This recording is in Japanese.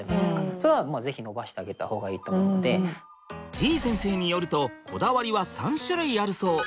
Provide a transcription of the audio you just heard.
てぃ先生によるとこだわりは３種類あるそう。